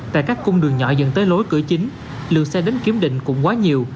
tại các cung đường nhỏ dần tới lối cửa chính lượt xe đến kiểm định cũng quá nhiều